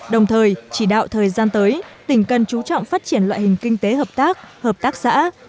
đồng thời chỉ đạo thời gian tới tỉnh cần chú trọng phát triển loại hình kinh tế hợp tác hợp tác xã